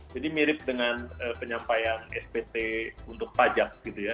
jadi mirip dengan penyampaian spt untuk pajak gitu ya